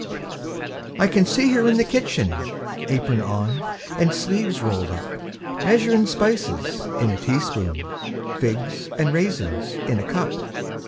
I can see her in the kitchen, Apron on and sleeves rolled up, Measurin' spices in a teaspoon, Figs and raisins in a cup.